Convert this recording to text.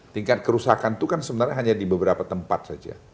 tingkat kerusakan itu kan sebenarnya hanya di beberapa tempat saja